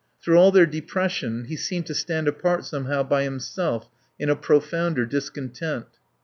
Through all their depression he seemed to stand apart somehow by himself in a profounder discontent.